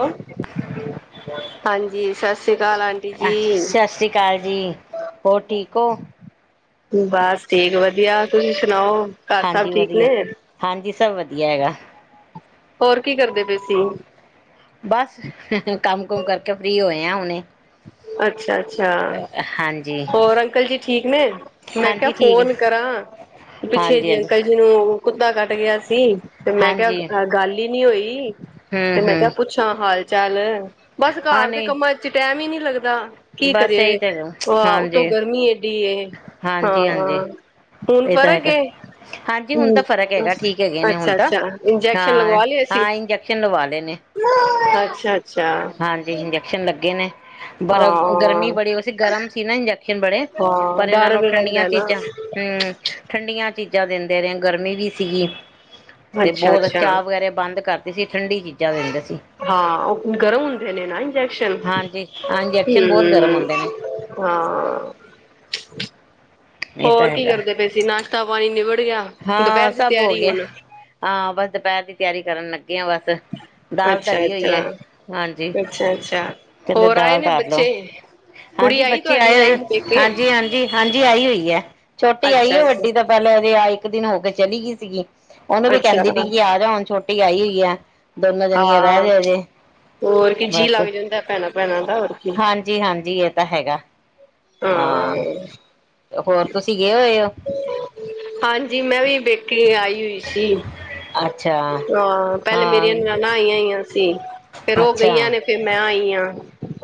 Hello ਹਾਂਜੀ ਸਤ- ਸਤਿ ਸ੍ਰੀ ਅਕਾਲ ਜੀ ਹੋਰ ਠੀਕ ਹੋ? ਬਸ ਠੀਕ ਵਧੀਆ ਤੁਸੀਂ ਸੁਣਾਓ ਘਰ ਸਭ ਹਾਂਜੀ ਠੀਕ ਵਧੀਆ ਨੇ? ਹਾਂਜੀ ਸਭ ਵਧੀਆ ਹੈਗਾ। ਹੋਰ ਕੀ ਕਰਦੇ ਪਏ ਸੀ? ਬਸ ਕੰਮ ਕੁਮ ਕਰਕੇ ਫ੍ਰਰੀ ਹੋਏ ਆ ਹੁਣੇ ਅਛਾ- ਅਛਾ। ਹਾਂਜੀ ਹੋਰ ਅੰਕਲ ਜੀ ਠੀਕ ਨੇ ਮੈਂ ਕਿਹਾ ਹਾਂਜੀ ਠੀਕ ਫੋਨ ਕਰਾਂ ਪਿੱਛੇ ਹਾਂਜੀ ਜੀ ਹਾਂਜੀ ਅੰਕਲ ਜੀ ਨੂੰ ਕੁੱਤਾ ਕੱਟ ਗਿਆ ਸੀ ਤੇ ਮੈਂ ਹਾਂਜੀ ਕਿਹਾ ਗੱਲ ਹੀ ਨੀ ਹੋਈ ਹਮ ਤੇ ਮੈਂ ਕਿਹਾ ਹਮ ਪੁੱਛਾਂ ਹਾਲ ਚਾਲ, ਬਸ ਹਾਂ ਘਰ ਦੇ ਨਹੀਂ ਕੰਮ 'ਚ ਟਾਈਮ ਹੀ ਨਹੀਂ ਲੱਗਦਾ- ਕੀ ਬਸ ਇਹੀ ਕਰੀਏ ਤਾਂ ਹੈਗਾ ਅ, ਉਤੋ ਹਾਂਜੀ ਗਰਮੀ ਏਡੀ ਏ ਹਾਂਜੀ ਹਾਂਜੀ ਹਾਂ- ਹੁਣ ਇਹ ਤਾਂ ਫਰਕ ਹੈਗਾ ਏ- ਹਾਂਜੀ ਹੁਣ ਹੂੰ, ਤਾਂ ਫ਼ਰਕ ਹੈਗਾ ਠੀਕ ਹੈਗੇ ਨੇ ਹੁਣ ਅਛਾ- ਤਾਂ ਅਛਾ, ਇੰਜੈਕਸ਼ਨ ਹਾਂ ਲਗਵਾ ਲਯਾ ਸੀ ਹਾਂ ਇੰਜੈਕਸ਼ਨ ਲਵਾ ਲਏ ਨੇ ਅਛਾ- ਅਛਾ- ਹਾਂਜੀ ਇੰਜੈਕਸ਼ਨ ਲੱਗੇ ਨੇ, ਪਰ ਗਰਮੀ ਹਾਂ, ਬੜੀ, ਗਰਮ ਸੀ ਨਾ ਇੰਜੈਕ ਇੰਜੇਕਸ਼ਨ ਬੜੇ, ਹਾਂ ਪਰ ਇਹਨਾਂ ਡਰ ਨੂੰ ਵੀ ਠੰਡੀਆਂ ਰਹਿੰਦਾ ਨਾ। ਚੀਜ਼ਾਂ ਹੂੰ ਠੰਡੀਆਂ ਚੀਜ਼ਾਂ ਦਿੰਦੇ ਰਹੇ ਆਂ, ਗਰਮੀ ਵੀ ਸੀਗੀ ਤੇ ਬਹੁਤ ਅੱਛਾ-ਅੱਛਾ, ਚਾਹ ਵਗੈਰਾ ਬੰਦ ਕਰਦੀ ਸੀ, ਠੰਡੀ ਚੀਜ਼ਾਂ ਦਿੰਦੇ ਸੀ। ਹਾਂ ਉਹ ਗਰਮ ਹੁੰਦੇ ਨੇ ਨਾ ਇੰਜੈਕਸ਼ਨ, ਹਾਂਜੀ ਇੰਜੈਕਸ਼ਨ ਬਹੁਤ ਗਰਮ ਹੂ ਹੁੰਦੇ ਨੇ ਹਾਂ, ਇਹ ਤਾਂ ਹੋਰ ਕੀ ਹੈਗਾ ਕਰਦੇ ਪਏ ਸੀ ਤੇ ਨਾਸ਼ਤਾ ਪਾਣੀ ਨਿਬੜ ਗਿਆ- ਹਾਂ ਦੁਪਹਿਰ ਦੀ ਸਭ ਹੋ ਤਿਆਰੀ ਗਿਆ, ਹੁਣ? ਹਾਂ ਬਸ ਦੁਪਹਿਰ ਦੀ ਤਿਆਰੀ ਕਰਨ ਲੱਗੇ ਹ ਬਸ ਦਾਲ ਧਰੀ ਹੋਈ ਅੱਛਾ-ਅੱਛਾ, ਹੈ, ਹਾਂਜੀ- ਅੱਛਾ-ਅੱਛਾ, ਕਹਿੰਦੇ ਹੋਰ ਆਏ ਦਾਲ ਨੇ ਧਰਲਓ- ਬੱਚੇ? ਕੁੜੀ ਹਾਂਜੀ ਆਈ ਬੱਚੇ ਤੁਹਾਡੀ ਆਏ ਹੋਏ, ਰਹਿਣ ਪੇਕੇ ਹਾਂਜੀ- ਹਾਂਜੀ- ਹਾਂਜੀ ਆਈ ਹੋਈ ਹੈ, ਛੋਟੀ ਆਈ ਹੈ, ਅੱਛਾ-ਅੱਛਾ, ਵੱਡੀ ਦਾ ਪਹਿਲੇ ਔ ਰਿਹਾ, ਇਕ ਦਿਨ ਹੋ ਕੇ ਚਲੀ ਗਈ ਸੀਗੀ, ਉਹਨੂੰ ਵੀ ਕਹਿੰਦੀ ਵੀ ਕਿ ਅੱਛਾ ਆ ਜਾਣ ਛੋਟ ਛੋਟੀ ਆਈ ਹੋਈਆਂ ਐ, ਦੋਨੋ ਜਣੀਆਂ ਰਹਿ ਹਾਂ ਜੋ ਹਜੇ- ਹੋਰ ਕੀ ਜੀਅ ਲੱਗ ਜਾਂਦਾ ਭੈਣਾ - ਭੈਣਾਂ ਦਾ, ਹੋਰ ਕੀ ਹਾਂਜੀ- ਹਾਂਜੀ, ਇਹ ਤਾਂ ਹੈਗਾ, ਹਾਂ ਹੋਰ ਤੁਸੀ ਗਏ ਹੋਏ ਹੋ ਹਾਂਜੀ, ਮੈਂ ਵੀ ਪੇਕੇ ਆਈ ਹੋਈ ਸੀ, ਅੱਛਾ ਪਹਿਲੇ ਮੇਰੀਆਂ ਹਾਂ ਨਨਾਣਾ ਆਇਆਂ ਹੀਆਂ ਸੀ ਫੇਰ ਉਹ ਅੱਛਾ ਗਈਆਂ ਨੇ, ਫੇਰ ਮੈਂ ਆਈ ਆਂ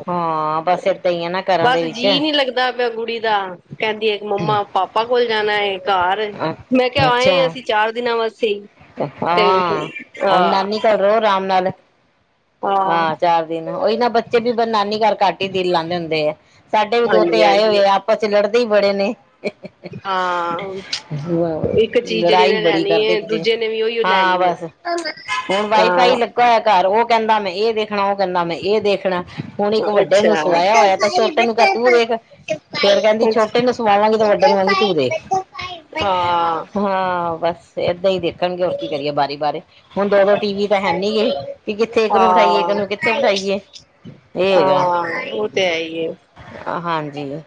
ਹਾਂ ਬਸ ਏਦਾਂ ਹੀ ਹੈਨਾ, ਘਰਾਂ ਦੇ ਵਿਚ- ਦਾ ਪਿਆ ਗੁੜੀ ਦਾ, ਕਹਿੰਦੀ ਏ ਮੰਮਾ, ਪਾਪਾ ਕੋਲ ਜਾਣਾ ਹੈ। ਘਰ, ਮੈਂ ਕਿਹਾ ਆਏ ਅਸੀਂ, ਚਾਰ ਦਿਨਾਂ ਵਾਸਤੇ ਈ ਪਾਪਾ, ਹੁਣ ਨਾਨੀ ਕੋਲ ਰਹੋ ਆਰਾਮ ਨਾਲ ਹਾਂ ਚਾਰ ਦਿਨ, ਉਹੀ ਨਾ ਬੱਚੇ ਵੀ, ਫਿਰ ਨਾਨੀ ਘਰ ਘੱਟ ਹੀ ਦਿਲ ਲਾਉਦੇ ਹੁੰਦੇ ਐ ਸਾਡੇ ਵੀ ਹਾਂਜੀ ਦੋਤੇ ਆਏ ਹਾਂਜੀ ਹੋਏ ਆ, ਆਪਸ 'ਚ ਲੜਦੇ ਹੀ ਬੜੇ ਨੇ ਹਾਂ ਇੱਕ ਚੀਜ਼ ਜਿਹੜੀ ਔ ਲੜਾਈ ਨੇ ਬੜੀ ਲੈਣੀ ਕਰਦੇ ਹੈ, ਕਿਤੇ ਦੂਜੇ ਨੇ ਵੀ ਉਹੀੳ ਹਾਂ ਲੈਣੀ ਹੈ। ਬਸ ਹੁਣ ਵਾਈ ਫਾਈ ਹਾਂ ਲੱਗਾ ਹੋਇਆ ਘਰ ਉਹ ਕਹਿੰਦਾ ਮੈਂ ਇਹ ਦੇਖਣਾ, ਉਹ ਕਹਿੰਦਾ ਮੈਂ ਇਹ ਦੇਖਣਾ। ਹੁਣ ਹਾਂ, ਇੱਕ ਵੱਡੇ ਹਾਂ। ਨੂੰ ਹਾਂ, ਉਹ ਸਵਾਇਆ ਹੋਇਆ, ਤਾਂ ਛੋਟੇ ਨੂੰ ਕਿਆ ਤੂੰ ਦੇਖ ਫੇਰ ਕਹਿੰਦੀ ਛੋਟੇ ਨੂੰ ਸਵਾਵਾਂਗੀ, ਤੇ ਵੱਡੇ ਨੂੰ ਕਵਾਂਗੀ ਤੂੰ ਦੇਖ ਹਾਂ ਹਾਂ, ਬਸ ਏਦਾਂ ਹੀ ਦੇਖਣਗੇ, ਹੋਰ ਕੀ ਕਰੀਏ ਬਾਰੀ ਬਾਰੀ, ਹੁਣ ਦੋ ਦੋ ਟੀਵੀ ਹੈਨੀ ਗੇ, ਵੀ ਕਿੱਥੇ ਇੱਕ ਨੂੰ ਬਿਠਾਈਏ, ਇੱਕ ਨੂੰ ਕਿੱਥੇ ਬਿਠਾਈਏ ਇਹ ਹੈਗਾ ਹਾਂ, ਉਹ ਤੇ ਹੈ ਈ ਹੈ। ਹਾਂਜੀ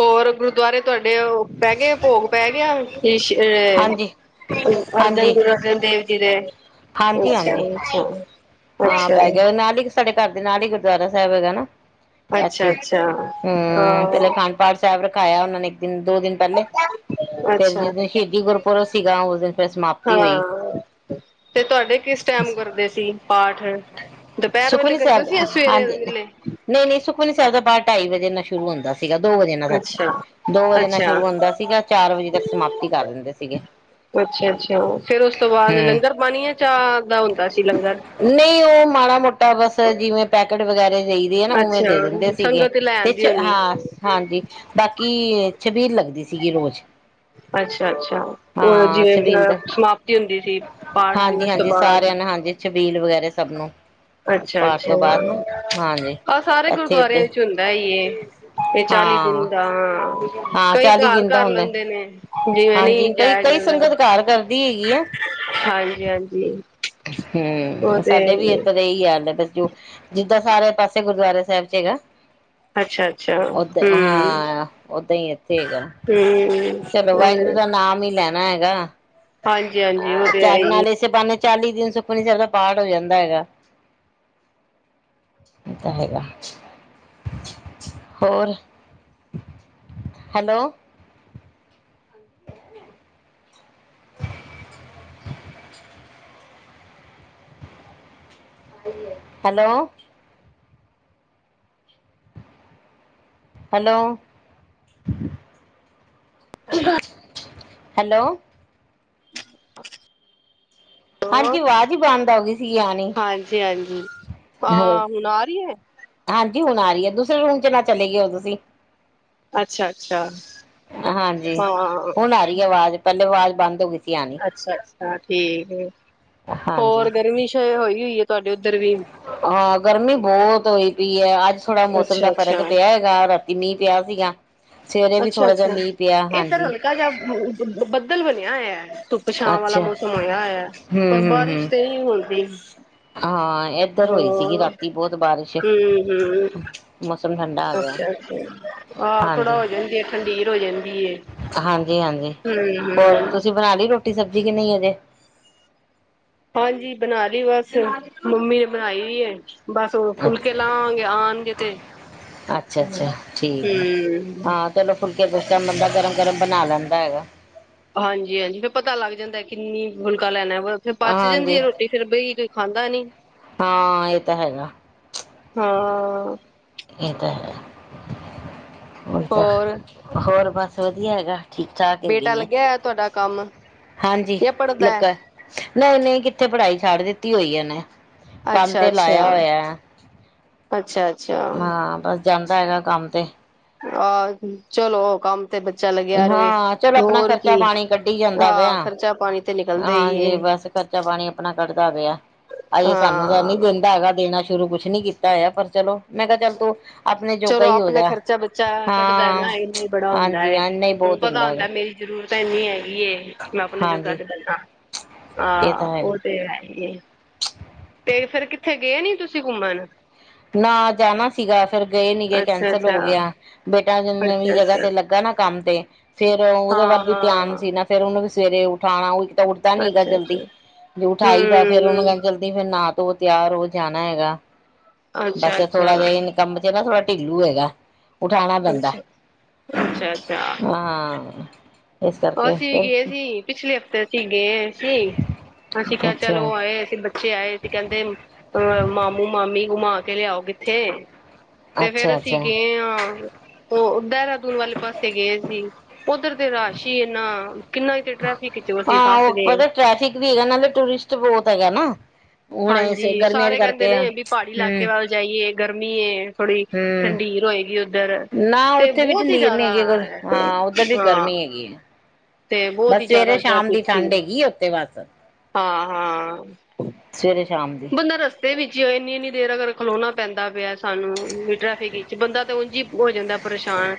ਹੋਰ ਗੁਰਦੁਆਰੇ ਤੁਹਾਡੇ ਉਹ ਪੈ ਗਿਆ, ਭੋਗ ਪੈ ਗਿਆ, ਸ਼੍ਰੀ ਹਾਂਜੀ ਗੁਰੂ ਅਰਜਨ, ਹਾਂਜੀ ਗੁਰੂ ਅਰਜਨ ਦੇਵ ਜਿਦੇ, ਹਾਂਜੀ ਅੱਛਾ, ਹਾਂਜੀ ਅੱਛਾ ਹਾਂ ਅੱਛਾ। ਪੈ ਗਿਆ, ਨਾਲ ਹੀ ਸਾਡੇ ਘਰ ਦੇ ਨਾਲ ਹੀ, ਗੁਰਦੁਆਰਾ ਸਾਹਿਬ ਹੈਗਾ ਨਾ- ਅੱਛਾ, ਐਥੇ ਅੱਛਾ ਹੂੰ, ਪਹਿਲਾਂ ਹਾਂ। ਅਖੰਡ ਪਾਠ ਸਾਹਿਬ ਰਖਾਇਆ, ਉਹਨਾਂ ਨੇ ਇਕ ਦਿਨ ਦੋ ਦਿਨ ਪਹਿਲੇ ਫੇਰ ਅੱਛਾ, ਜਿਸ ਦਿਨ ਸ਼ਹੀਦੀ ਗੁਰਪੁਰਬ ਸੀਗਾ, ਉਸ ਦਿਨ- ਫਿਰ ਸਮਾਪਤੀ ਹੋਈ ਤੇ ਤੁਹਾਡੇ ਕਿਸ ਟਾਈਮ ਗੁਰਦੇ ਸੀ ਪਾਠ- ਦੁਪਹਿਰ ਵੇਲੇ ਸੁਖਮਨੀ ਕਰਦੇ ਸਾਹਿਬ ਸੀ, ਦਾ ਜਾਂ ਸਵੇਰੇ ਹਾਂਜੀ ਵੇਲੇ ਨਹੀਂ, ਨਹੀਂ ਸੁਖਮਨੀ ਸਾਹਿਬ ਦਾ ਪਾਠ ਢਾਈ ਵਜੇ ਨਾਲ ਸ਼ੁਰੂ ਹੁੰਦਾ ਸੀਗਾ, ਦੋ ਵਜੇ ਨਾਲ ਸੱਚ ਅੱਛਾ, ਦੋ ਵਜੇ ਨਾਲ ਅੱਛਾ। ਸ਼ੁਰੂ ਹੁੰਦਾ ਸੀਗਾ, ਚਾਰ ਵਜੇ ਤੱਕ ਸਮਾਪਤੀ ਕਰ ਦਿੰਦੇ ਸੀਗੇ ਅੱਛਾ, ਅੱਛਾ, ਫੇਰ ਉਸ ਤੋਂ ਬਾਅਦ ਹਮ ਲੰਗਰ ਪਾਣੀ, ਯਾ ਚਾਹ ਦਾ ਹੁੰਦਾ ਸੀ ਲੰਗਰ ਨਹੀਂ ਉਹ ਮਾੜਾ ਮੋਟਾ ਬਸ ਜਿਵੇਂ ਪੈਕੇਟ ਵਗੈਰਾ ਦੇਈਦੇ ਹੈ ਨਾ, ਉਵੇਂ ਅੱਛਾ ਦੇ ਦਿੰਦੇ ਸੀਗੇ। ਸੰਗਤ ਲੈ ਤੇ ਆਂਦੀ ਚ ਹੋਣੀ ਹਾਂ ਹਾਂਜੀ, ਬਾਕੀ ਛਬੀਲ ਲੱਗਦੀ ਸੀਗੀ ਰੋਜ਼। ਅੱਛਾ- ਅੱਛਾ। ਉਹ ਹਾਂ ਜਿਵੇਂ ਛਬੀਲ ਅ ਦਾ ਸਮਾਪਤੀ ਹੁੰਦੀ ਸੀ। ਪਾਠ ਹਾਂਜੀ ਦਿਵਸ ਤੋਂ ਹਾਂਜੀ ਬਾਅਦ। ਸਾਰਿਆਂ ਨੂੰ ਹਾਂਜੀ ਛਬੀਲ ਵਗੈਰਾ ਸਭ ਨੂੰ ਅੱਛਾ- ਪਾਠ ਅੱਛਾ, ਤੋਂ ਬਾਅਦ ਨਾ ਹਾਂਜੀ ਆਹ ਸਾਰੇ ਇੱਥੇ ਗੁਰਦੁਆਰਿਆਂ ਤੇ ਵਿੱਚ ਹੁੰਦਾ, ਹੀ ਇਹ ਹੈ। ਇਹ ਚਾਲੀ ਹਾਂ ਦਿਨ ਦਾ, ਹਾਂ ਕਈ ਚਾਲੀ ਘਰ ਦਿਨ ਦਾ ਕਰ ਹੁੰਦਾ। ਲੈਂਦੇ ਨੇ, ਜਿਵੇਂ ਹਾਂਜੀ ਨਹੀਂ ਕਈ ਜਾਇਆ ਕਈ ਜਾਂਦਾ। ਸੰਗਤ ਘਰ ਕਰਦੀ ਹੈਗੀ, ਐਂ। ਹਾਂਜੀ- ਹਾਂਜੀ। ਹੂੰ, ਸਾਡੇ ਵੀ ਇਧਰ ਇਹੀ ਹਾਲ ਹੈ। ਜੋ ਜਿੱਦਾਂ ਸਾਰੇ ਪਾਸੇ, ਗੁਰਦੁਆਰੇ ਸਾਹਿਬ ਚ ਹੈਗਾ। ਅੱਛਾ- ਅੱਛਾ, ਓਦਾਂ ਹੂੰ, ਹਾਂ ਓਦਾਂ ਹੀ ਇੱਥੇ ਹੈਗਾ। ਹੂੰ। ਚਲੋ ਵਾਹਿਗੁਰੂ, ਦਾ ਨਾਮ ਹੀ ਲੈਣਾ ਹੈਗਾ। ਹਾਏ ਆਹ, ਚਾਲ ਨਾਲੇ ਇਸੇ ਬਾਨੇ ਚਾਲੀ ਦਿਨ ਸੁਖਮਨੀ ਸਾਹਿਬ ਦਾ, ਪਾਠ ਹੋ ਜਾਂਦਾ ਹੈਗਾ। ਉਹ ਤਾਂ ਹੈਗਾ। ਹੋਰ, ਹੈਲੋ। [unintelligible] Hello hello, hello. ਹਾਂਜੀ ਹੋਰ, ਆਵਾਜ਼ ਹੀ ਬੰਦ ਹੋ ਗਈ ਸੀ ਆਣੀ ਹਾਂਜੀ- ਹਾਂਜੀ। ਹਾਂ, ਹੁਣ ਆ ਰਹੀ ਹੈ। ਹਾਂਜੀ ਹੁਣ ਆ ਰਹੀ ਹੈ। ਦੂਸਰੇ ਰੂਮ ਚ ਨਾ ਚਲੇ ਗਏ ਹੋ। ਤੁਸੀਂ ਅੱਛਾ ਅੱਛਾ ਹਾਂਜੀ, ਹਾਂ ਹੁਣ ਆ ਰਹੀ ਹੈ, ਆਵਾਜ਼। ਪਹਿਲੇ, ਆਵਾਜ਼ ਬੰਦ ਹੋ ਗਈ ਸੀ, ਆਉਣੀ। ਅੱਛਾ- ਅੱਛਾ, ਠੀਕ ਹੈ, ਹੋਰ ਹਾਂਜੀ ਗਰਮੀ ਸ਼ਾਇਦ ਹੋਈ- ਹੋਈ ਹੈ। ਤੁਹਾਡੇ ਉੱਧਰ ਵੀ। ਹਾਂ ਗਰਮੀ ਬਹੁਤ ਹੋਈ ਪਈ ਹੈ। ਅੱਜ ਥੋੜਾ ਮੌਸਮ ਦਾ ਅੱਛਾ ਫਰਕ ਅੱਛਾ ਪਿਆ। ਰਾਤੀ ਮੀਂਹ ਪਿਆ ਸੀਗਾ। ਸਵੇਰੇ ਵੀ ਥੋੜਾ ਜਹਾ ਮੀਂਹ ਪਿਆ, ਹਾਂਜੀ। ਜਾਂ। [unintelligible] ਬਦਲ ਬਣਿਆ ਹੋਇਆ ਹੈ। ਵਿਛਾਮ ਵਾਲਾ ਅੱਛਾ ਮੌਸਮ ਆਇਆ ਹੋਇਆ। ਹੂੰ ਪਰ ਹੂੰ ਬਾਰਿਸ਼ ਹੂੰ ਤੇ ਨਹੀਂ ਹੁੰਦੀ। ਹਾਂ। ਏਧਰ ਹੋਈ ਸੀਗੀ ਹੂੰ, ਰਾਤੀ ਬਹੁਤ ਬਾਰਿਸ਼ ਹੂੰ- ਹੂੰ। ਮੌਸਮ ਠੰਡਾ ਆ ਗਿਆ ਅੱਛਾ- ਅੱਛਾ। ਆਹ ਥੋੜਾ ਹੋ ਜਾਂਦੀ ਆ। ਖੰਡੀਰ ਹੋ ਜਾਂਦੀ। ਹੈ ਹਾਂਜੀ-ਹਾਂਜੀ, ਹਮ ਹੋਰ ਹਮ ਤੁਸੀਂ ਬਣਾ ਲਈ ਰੋਟੀ- ਸਬਜ਼ੀ ਕਿ ਨੀ ਅਜੇ। ਹਾਂਜੀ ਬਣਾ ਲਈ ਬਸ, ਮੰਮੀ ਨੇ ਬਣਾਈ ਹੋਣੀ ਐ। ਬਸ ਉਹ ਫੁਲਕੇ ਅੱਛਾ ਲਾਵਾਂਗੇ, ਆਉਣਗੇ ਤੇ। ਅੱਛਾ ਅੱਛਾ ਠੀਕ ਹੈ ਹੂੰ। ਹਾਂ ਚਲੋ ਫੁਲਕੇ ਕੁ ਤਾਂ ਬੰਦਾ ਗਰਮ- ਗਰਮ ਬਣਾ ਲੈਂਦਾ ਹੈਗਾ। ਹਾਂਜੀ- ਹਾਂਜੀ, ਫੇਰ ਪਤਾ ਲੱਗ ਜਾਂਦਾ ਕਿੰਨੀ ਫੁਲਕਾ ਲੈਣਾ ਵੇ। ਫੇਰ ਬਚ ਜਾਂਦੀ ਹਾਂਜੀ ਆ ਰੋਟੀ, ਫੇਰ ਬਈ ਕੋਈ ਖਾਂਦਾ ਨੀ। ਹਾਂ ਇਹ ਤਾਂ ਹੈਗਾ ਹਾਂ। ਇਹ ਤਾਂ ਹੈ, ਹੋਰ ਸਭ? ਹੋਰ ਬਸ ਵਧੀਆ ਹੈਗਾ। ਠੀਕ ਠਾਕ ਹੈਗੇ ਬੇਟਾ ਨੇ, ਲੱਗਿਆ ਤੁਹਾਡਾ ਕੰਮ ਹਾਂਜੀ ਜਾਂ ਪੜ੍ਹਦਾ ਲਗਾ ਹੈ ਨਹੀਂ- ਨਹੀਂ ਕਿੱਥੇ ਪੜਾਈ ਛੱਡ ਦਿੱਤੀ ਹੋਈ ਹੈ ਇਹਨੇ, ਕੰਮ ਅੱਛਾ ਤੇ ਲਾਇਆ ਅੱਛਾ ਹੋਇਆ। ਅੱਛਾ। ਅੱਛਾ ਹਾਂ, ਬਸ ਜਾਂਦਾ ਹੈਗਾ ਕੰਮ ਤੇ। ਆਹ, ਚਲੋ ਉਹ ਕੰਮ। ਤੇ ਬੱਚਾ ਲੱਗਿਆ ਰਹੇ, ਹਾਂ ਚਲੋ ਆਪਣਾ ਹੋਰ ਕੀ ਖਰਚਾ ਪਾਣੀ ਕੱਢੀ ਜਾਂਦਾ ਹਾਂ। ਪਿਆ ਖਰਚਾ- ਪਾਣੀ ਤੇ ਨਿਕਲਦਾ ਹੀ ਹਾਂਜੀ ਹੈ। ਬਸ ਖਰਚਾ ਪਾਣੀ ਆਪਣਾ ਕੱਢਦਾ ਪਿਆ। ਅਜੇ, ਸਾਨੂੰ ਤਾਂ ਨੀ ਹਾਂ ਦਿੰਦਾ ਹੈਗਾ। ਦੇਣਾ ਸ਼ੁਰੂ ਕੁਛ ਨੀ ਕੀਤਾ। ਓ ਤਾਂ ਐ ਪਰ ਚਲੋ ਮੈਂ ਕਿਹਾ ਚੱਲ ਤੂੰ। ਆਪਣੇ ਜੋਗਾ ਚਲੋ ਹੀ ਹੋ ਆਪਣਾ ਜਾ ਖਰਚਾ ਬੱਚਾ ਕੱਢਦਾ ਹਾਂ ਨਾ ਇੰਨਾ ਹੀ ਬੜਾ ਹੁੰਦਾ। ਹਾਂਜੀ ਹਾਂ ਨਹੀਂ ਤੁਹਾਨੂੰ ਬਹੁਤ ਪਤਾ ਹੁੰਦਾ ਹੈਗਾ ਮੇਰੀ ਜ਼ਰੂਰਤ ਇੰਨੀ ਹੈਗੀ ਏ ਮੈਂ ਆਪਣੇ ਜੋ ਹਾਂਜੀ [unintelligible] ਇਹ ਹਾਂ, ਤਾਂ ਹੈਗਾ ਉਹ ਤੇ ਹੈਈ। ਤੇ ਫੇਰ ਕਿੱਥੇ ਗਏ ਨੀ ਤੁਸੀਂ ਘੁੰਮਣ। ਨਾ ਜਾਣਾ ਸੀਗਾ ਫੇਰ ਗਏ ਨੀ ਗਏ ਅੱਛਾ ਕੈਂਸਲ ਹੋ ਅੱਛਾ ਗਿਆ। ਬੇਟਾ ਨਵੀਂ ਅੱਛਾ ਜਗ੍ਹਾ ਅੱਛਾ ਤੇ ਲੱਗਾ ਨਾ ਕੰਮ ਤੇ ਫੇਰ ਉਹਦੇ ਹਾਂ ਵੱਲ ਵੀ ਧਿਆਨ ਹਾਂ ਸੀ ਨਾ। ਫ਼ੇਰ ਉਹਨੂੰ ਸਵੇਰੇ ਉਠਾਉਣਾ। ਉਹ ਤਾਂ ਉੱਠਦਾ ਨੀਗਾ ਅੱਛਾ ਜਲਦੀ ਅੱਛਾ ਜੇ ਉਠਾਈ ਦਾ ਫੇਰ ਉਹਨੂੰ ਹੂੰ [unintelligible] ਫਿਰ ਨਾ ਤਾਂ ਉਹ ਤਿਆਰ ਹੋ ਜਾਣਾ ਹੈਗਾ। ਅੱਛਾ ਬਸ ਅੱਛਾ ਥੋੜਾ ਜਹਾ ਕੰਮ ਚ ਨਾ ਥੋੜਾ ਢਿੱਲੋ ਹੈਗਾ। ਉਠਾਣਾ ਪੈਂਦਾ ਅੱਛਾ ਅੱਛਾ ਅੱਛਾ। ਹਾਂ। ਇਸ ਉਹ ਕਰਕੇ ਅਸੀਂ ਵੀ ਫਿਰ ਗਏ ਸੀ ਪਿਛਲੇ ਹਫ਼ਤੇ ਅਸੀਂ ਗਏ ਸੀ ਅਸੀਂ ਕਿਹਾ ਚਲ ਅੱਛਾ, ਉਹ ਆਏ ਅਸੀਂ। ਬੱਚੇ ਆਏ ਸੀ ਕਹਿੰਦੇ ਅ ਮਾਮੂ ਮਾਮੀ ਘੁਮਾ ਕੇ ਲਿਆਓ ਕਿੱਥੇ। ਤੇ ਫੇਰ ਅੱਛਾ, ਅਸੀਂ ਅੱਛਾ। ਗਏ ਹਾਂ ਉਹ ਦੇਹਰਾਦੂਨ ਵਾਲੇ ਪਾਸੇ ਗਏ ਸੀ ਉੱਧਰ ਦੇ। ਛ ਇਨਾ ਕਿੰਨਾ ਇਥੇ ਟ੍ਰੈਫਿਕ ਵਿੱਚ ਅਸੀਂ ਹਾਂ ਫਸ ਉਹ ਗਏ। ਪਤਾ ਟ੍ਰੈਫਿਕ ਵੀ ਹੈਗਾ ਨਾਲੇ ਟੂਰਿਸਟ ਬਹੁਤ ਹੈਗਾ ਨਾ। ਹੁਣ ਹਾਂਜੀ ਗਰਮੀਆਂ ਚ ਸਾਰੇ ਕਹਿੰਦੇ ਕਰਕੇ ਨੇ ਹੂੰ, ਵੀ ਪਹਾੜੀ ਇਲਾਕੇ ਵੱਲ ਜਾਈਏ ਗਰਮੀ ਏ। ਥੋੜੀ ਹੂੰ। ਠੰਡੀਰ ਹੋਏਗੀ ਉੱਧਰ ਨਾ ਤੇ ਉੱਥੇ ਵੀ ਬਹੁਤ ਹੀ ਢੰਡੀਰ ਨੀ ਜਿਆਦਾ। ਹੈਗੀ ਅਗਰ ਹਾਂ ਉੱਧਰ ਵੀ ਗਰਮੀ ਹੈਗੀ ਐ ਬਹੁਤ ਬਸ ਹੀ ਸਵੇਰੇ ਜ਼ਿਆਦਾ ਸ਼ਾਮ ਟ੍ਰੈਫਿਕ ਦੀ ਸੀ ਠੰਡ ਹੈਗੀ ਆ ਉੱਥੇ ਬਸ। ਹਾਂ ਹਾਂ। ਸਵੇਰੇ ਸ਼ਾਮ ਦੀ। ਬੰਦਾ ਰਸਤੇ ਵਿੱਚ ਹੀ ਇੰਨੀ ਇੰਨੀ ਦੇਰ ਅਗਰ ਖਲੋਣਾ ਪੈਂਦਾ ਪਿਆ ਸਾਨੂੰ ਟ੍ਰੈਫਿਕ ਵਿੱਚ ਬੰਦਾ ਤਾਂ ਉਝ ਹੀ ਹੋ ਜਾਂਦਾ। ਪਰੇਸ਼ਾਨ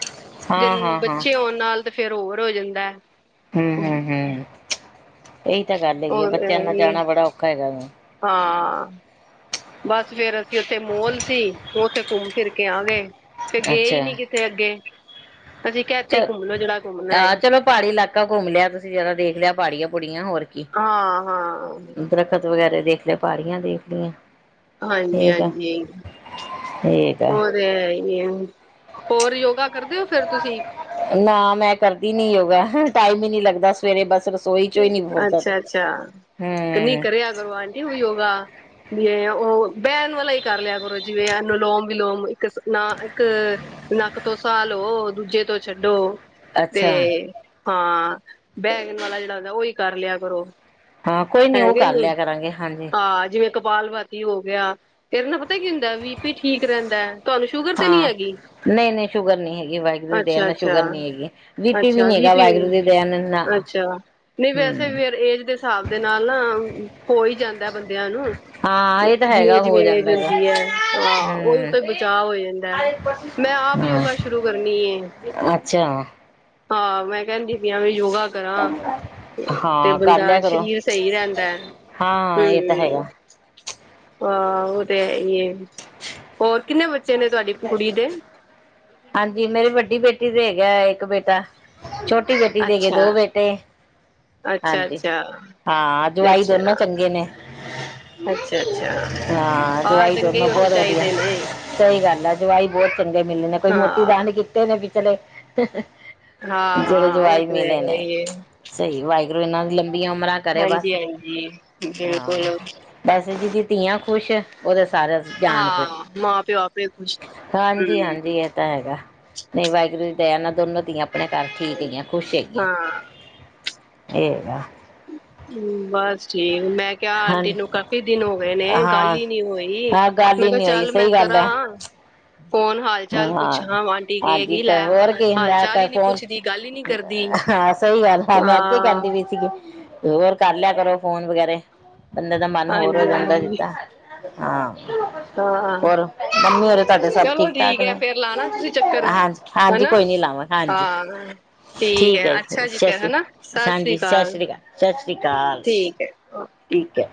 ਜੇ ਹਾਂ ਹਾਂ ਹਾਂ ਬੱਚੇ ਹੋਣ ਨਾਲ ਤੇ ਫੇਰ ਹੋਰ ਹੋ ਜਾਂਦਾ। ਹੂੰ ਹੂੰ ਹੂੰ, ਇਹੀ ਤਾਂ ਗੱਲ ਹੈਗੀ ਆ ਹੋਰ ਬੱਚਿਆਂ ਨਾਲ ਜਾਣਾ ਬੜਾ ਔਖਾ ਹੈਗਾ। ਹਾਂ ਬਸ ਫੇਰ। ਉੱਥੇ ਮੋਲ ਸੀ ਉਹ ਉੱਥੇ ਘੁੰਮ ਫਿਰ ਕੇ ਆ ਗਏ ਤੇ ਗਏ ਹੀ ਅੱਛਾ ਨੀ ਕਿਤੇ ਅੱਗੇ। ਅਸੀਂ ਕਿਹਾ ਇੱਥੇ ਚ ਹੀ ਘੁੰਮ ਲੋੋ ਜਿਹੜਾ ਘੁੰਮਣਾ ਹੈ ਆਹ ਚਲੋ ਪਹਾੜੀ ਇਲਾਕਾ ਘੁੰਮ ਲਿਆ ਤੁਸੀਂ ਜਿਆਦਾ ਦੇਖ ਲਿਆ ਪਹਾੜੀਆਂ ਪੁੜੀਆਂ ਹੋਰ ਕੀ। ਹਾਂ ਹਾਂ, ਦਰੱਖਤ ਵਗੈਰਾ ਦੇਖ ਲਿਆ ਪਹਾੜੀਆਂ ਦੇਖ ਲਈਆਂ। ਹਾਂਜੀ ਠੀਕ ਆ ਹਾਂਜੀ, ਠੀਕ ਆ ਹੋਰ ਐਹੀ ਐ। ਹੋਰ ਯੋਗਾ ਕਰਦੇ ਹੋ ਫੇਰ ਤੁਸੀਂ। ਨਾ ਮੈਂ ਕਰਦੀ ਨੀ ਯੋਗਾ ਟਾਈਮ ਹੀ ਨੀ ਲੱਗਦਾ। ਸਵੇਰੇ ਬਸ ਰਸੋਈ ਚੋਂ ਹੀ ਨਹੀਂ ਫੁਰਦਾ ਹੂੰ, ਅੱਛਾ ਅੱਛਾ [unintelligible] ਯੋਗਾ ਵੀ ਉਹ ਬਹਿਣ ਵਾਲਾ ਹੀ ਕਰ ਲਿਆ ਕਰੋ ਜਿਵੇਂ ਨੁਲੋਮ ਵਿਲੋਮ ਨਾ ਇੱਕ ਨੱਕ ਤੋਂ ਸਾਹ ਲਓ ਦੂਜੇ ਤੋਂ ਛੱਡੋ। ਤੇ ਅੱਛਾ ਹਾਂ ਬਹਿਣ ਵਾਲਾ ਜਿਹੜਾ ਹੁੰਦਾ ਉਹੀ ਕਰ ਲਿਆ ਕਰੋ। ਹਾਂ ਕੋਈ ਉਹ ਹੈਗੇ ਕਰ ਨੀ ਲਿਆ ਕਰਾਂਗੇ ਹਾਂਜੀ ਹਾਂ ਜਿਵੇਂ। ਕਪਾਲਵਾਤੀ ਹੋ ਗਿਆ ਤੇ ਨਾਲ ਪਤਾ ਕੀ ਹੁੰਦਾ ਬੀ ਪੀ ਠੀਕ ਰਹਿੰਦਾ ਤੁਹਾਨੂੰ ਸ਼ੂਗਰ ਤੇ ਨੀ ਹਾਂ ਹੈਗੀ। ਨਹੀਂ ਨਹੀਂ ਸ਼ੂਗਰ ਨਹੀਂ ਹੈਗੀ ਵਾਈ ਦਇਆ ਅੱਛਾ ਨਾਲ ਅੱਛਾ ਸ਼ੂਗਰ ਨੀ ਹੈਗੀ ਵੀ ਪੀ ਵੀ ਅੱਛਾ ਨੀ ਬੀ ਹੈਗਾ ਪੀ ਵਾਹਿਗੁਰੂ ਦੀ ਦਇਆ ਨਾ। ਅੱਛਾ ਨਹੀਂ ਵੈਸੇ ਹਮ ਫਿਰ ਏਜ ਦੇ ਹਿਸਾਬ ਦੇ ਨਾਲ ਨਾ ਹੋ ਹੀ ਜਾਂਦਾ ਬੰਦਿਆਂ ਨੂੰ। ਹਾਂ ਇਹ ਤਾਂ ਜਿਵੇਂ ਹੈਗਾ ਹੋ ਜਿਵੇਂ ਏਜ ਜਾਂਦਾ ਹੈਗਾ ਹੁੰਦੀ ਐ ਉਹੀ ਹਮ ਤੋਂ ਬਚਾਅ ਹੋ ਜਾਂਦਾ। ਮੈਂ ਆਪ ਹਮ ਯੋਗਾ ਸ਼ੁਰੂ ਕਰਨੀ ਐ ਅੱਛਾ ਹਾਂ ਮੈਂ ਕਹਿੰਦੀ ਸੀ ਵੀ ਯੋਗਾ। ਕਰਾਂ ਤੇ ਹਾਂ ਕਰ ਬੰਦਾ ਲਿਆ ਕਰੋ ਸਰੀਰ ਸਹੀ ਰਹਿੰਦਾ। ਹਾਂ ਇਹ ਤਾਂ ਹੈਗਾ। ਆਹ ਉਹ ਤੇ ਹੈਈ ਐ ਹੋਰ ਕਿੰਨੇ ਬੱਚੇ ਨੇ ਤੁਹਾਡੀ ਕੁੜੀ ਦੇ। ਹਾਂਜੀ ਮੇਰੀ ਵੱਡੀ ਬੇਟੀ ਦੇ ਹੈਗਾ ਇੱਕ ਬੇਟਾ। ਛੋਟੀ ਬੇਟੀ ਦੇ ਹੈਗੇ ਅੱਛਾ ਦੋ ਬੇਟੇ। ਅੱਛਾ ਅੱਛਾ ਹਾਂਜੀ-ਹਾਂ, ਜਵਾਈ ਦੋਨੋ ਅੱਛਾ ਚੰਗੇ ਨੇ। ਅੱਛਾ ਅੱਛਾ ਹਾਂ ਜਵਾਈ ਦੋ ਚੰਗੇ ਹੀ ਹੋਣੇ ਬਹੁਤ ਵਧੀਆ, ਚਾਹੀਦੇ ਨੇ ਸਹੀ ਗੱਲ ਆ ਜਵਾਈ ਬਹੁਤ ਚੰਗੇ ਮਿਲਲੇ ਨੇ ਕੋਈ ਮੋਤੀ ਹਾਂ ਦਾਨ ਕਿ ਤੇ ਨੇ ਬ ਚਲੇ ਹਾਂ-ਹਾਂ, ਉਹ ਤੇ ਹੈਹੀ ਹੈ। ਸਹੀ, ਵਾਹਿਗੁਰੂ ਇਹਨਾਂ ਦੀ ਲੰਬੀਆਂ ਉਮਰਾਂ ਕਰੇ ਹਾਂਜੀ ਬਸ ਹਾਂਜੀ ਹਾਂ, ਬਿਲਕੁਲ ਬਸ ਜਿਦੀ ਧੀਆਂ ਖੁਸ਼ ਉਹਦੇ ਸਾਰਾ ਜਾਣ ਖੁਛ, ਹਾਂ ਮਾਂ ਪਿਓ ਆਪੇ ਖੁਸ਼ ਹਾਂਜੀ-ਹਾਂਜੀ। ਇਹ ਹੈਗਾ ਨਹੀਂ ਵਾਹਿਗੁਰੂ ਦਇ ਨਾ ਦੋਨੋ ਦੀਆਂ ਆਪ ਆਪਣੇ ਘਰ ਠੀਕ ਹੈਗਿਆਂ, ਖੁਸ਼ ਹੈਗੀਆਂ ਹਾਂ ਇਹ ਹੈਗਾ। ਹੂੰ, ਬਸ। ਠੀਕ, ਮੈਂ ਕਿਹਾ ਆਂਟੀ ਹਾਂਜੀ ਨੂੰ ਕਾਫੀ ਦਿਨ ਹੋ ਗਏ ਨੇ ਗੱਲ ਹਾਂ ਹੀ ਨੀ ਹੋਈ ਹਾਂ ਗੱਲ ਮੈਂ ਹੀ ਕਿਹਾ ਨਹੀਂ ਹੋਈ ਚੱਲ ਮੈਂ ਸਹੀ ਗੱਲ ਹੈ ਕਰਾਂ। ਫੋਨ ਹਾਲ-ਚਾਲ ਹਾਂ ਪੁੱਛਾ ਆਾਂਟੀ ਕੇਹਗੀ ਹਾਂਜੀ ਲੈ ਹੋਰ ਕੀ ਹਾਲ-ਚਾਲ ਹੁੰਦਾ ਹੀ ਨੀ ਫੋਨ ਪੁੱਛਦੀ। ਗੱਲ ਹੀ ਨਹੀਂ ਕਰਦੀ ਹਾਂ ਸਹੀ ਗੱਲ ਹੈ ਮੈਂ ਅੱਗੇ ਹਾਂ। ਕਹਿੰਦੀ ਪਈ ਸੀਗੀ ਹੋਰ ਕਰ ਲਿਆ ਕਰੋ ਫੋਨ ਵਗੈਰਾ ਬੰਦੇ ਦਾ ਮਨ ਹੋਰ ਹੋ ਹਾਂਜੀ ਜਾਂਦਾ ਹਾਂਜੀ ਜਿੱਦਾਂ। ਹਾਂ, ਹਾਂ ਹੋਰ ਮੰਮੀ ਹੋਰੇ ਤੁਹਾਡੇ ਸਭ ਚਲੋ ਠੀਕ-ਠਾਕ ਠੀਕ ਨੇ, ਹੈ ਫੇਰ ਲਾਣਾ ਤੁਸੀਂ ਚੱਕਰ ਹਾਂਜੀ। ਹਾਂਜੀ, ਹਨਾ ਕੋਈ ਨੀ ਲਾਵਾਂ, ਹਾਂਜੀ। ਹਾਂ ਠੀਕ ਹੈ, ਜੀ ਸਤਿ ਸ੍ਰੀ ਅਕਾਲ ਹਾਂਜੀ ਸਤਿ ਸ੍ਰੀ ਅਕਾਲ, ਸਤਿ ਸ਼੍ਰੀ ਅਕਾਲ। [unintelligible] ਠੀਕ ਹੈ।